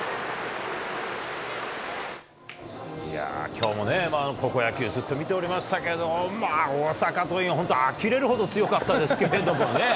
きょうもね、高校野球、ずっと見ておりましたけど、大阪桐蔭は本当あきれるほど強かったですけれどもね。